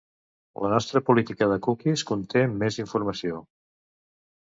La nostra Política de Cookies conté més informació.